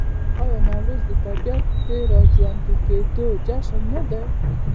آیا نوروز د طبیعت د راژوندي کیدو جشن نه دی؟